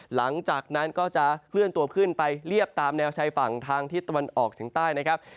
หลังจากนั้นก็จะเคลื่อนตัวขึ้นไปเรียบตามแนวชายฝั่งทางทิศตะวันออกเฉียงใต้นะครับ